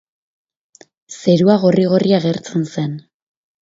Zerua gorri-gorri agertzen zen.